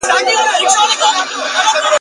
كوشنيان پلار ته او ښځه هم خپل مېړه ته